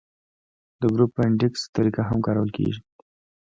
د ګروپ انډیکس طریقه هم کارول کیږي